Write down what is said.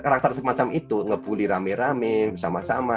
karakter semacam itu ngebully rame rame bersama sama